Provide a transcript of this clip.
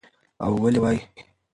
او ولې وايى